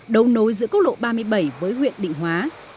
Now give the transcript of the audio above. đấu nối giữa quốc lộ ba mươi bảy với huyện định hóa